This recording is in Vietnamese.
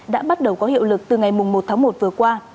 đã bắt đầu có hiệu lực từ ngày một tháng một vừa qua